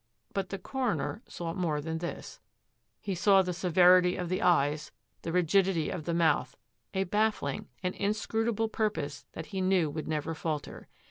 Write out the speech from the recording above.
But the coroner saw more than this. He saw in the severity of the eyes, the rigidity of the mouth, a ba£9ing, an inscrutable purpose that he knew would never falter.